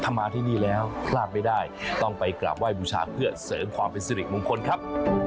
ถ้ามาที่นี่แล้วพลาดไม่ได้ต้องไปกราบไห้บูชาเพื่อเสริมความเป็นสิริมงคลครับ